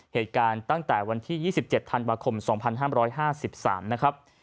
เหตุการณ์ตั้งแต่วันที่๒๗ธันวาคม๒๕๕๓นะครับ